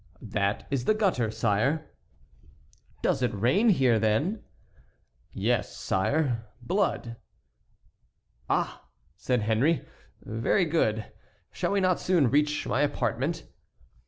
"That is the gutter, sire." "Does it rain here, then?" "Yes, sire, blood." "Ah!" said Henry, "very good. Shall we not soon reach my apartment?"